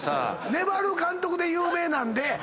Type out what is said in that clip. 粘る監督で有名なんで。